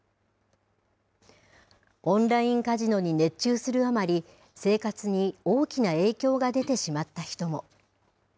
オンラインカジノに熱中するあまり、生活に大きな影響が出てしまった人も。